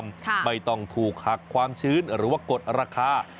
ไม่ต้องถูกหักความชื้นหรือว่ากดราคา